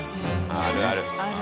あるある！